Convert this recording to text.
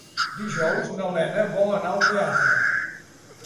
Dijous na Lena vol anar al teatre.